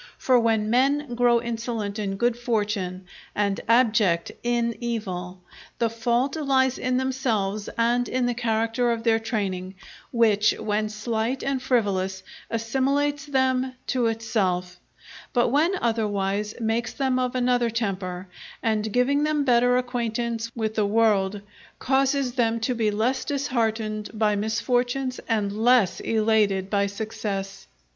For when men grow insolent in good fortune, and abject inn evil, the fault lies in themselves and in the character of their training, which, when slight and frivolous, assimilates them to itself; but when otherwise, makes them of another temper, and giving them better acquaintance with the world, causes them to be less disheartened by misfortunes and less elated by success.